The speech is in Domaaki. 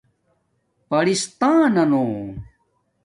پرستاننانُو